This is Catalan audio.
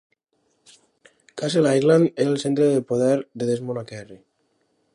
Castleisland era el centre del poder de Desmond a Kerry.